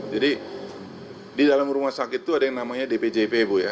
jadi di dalam rumah sakit tuh ada yang namanya dpjp bu ya